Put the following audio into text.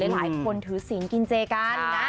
หลายคนถือศีลกินเจกันนะ